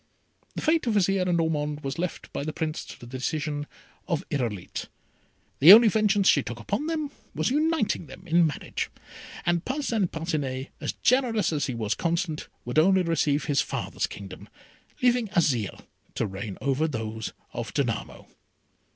The fate of Azire and of Ormond was left by the Prince to the decision of Irolite. The only vengeance she took upon them was uniting them in marriage, and Parcin Parcinet, as generous as he was constant, would only receive his father's kingdom, leaving Azire to reign over those of Danamo.